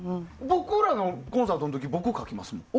僕らのコンサートの時僕、書きますもん。